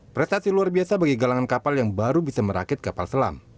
prestasi luar biasa bagi galangan kapal yang baru bisa merakit kapal selam